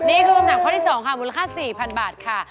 นี่คือคำถามข้อที่๒ค่ะมูลค่า๔๐๐๐บาทค่ะ